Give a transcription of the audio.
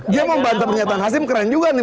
dia mau bantah pernyataan hasim keren juga nih